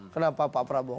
kenapa pak prabowo